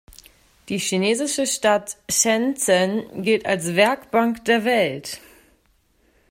Die chinesische Stadt Shenzhen gilt als „Werkbank der Welt“.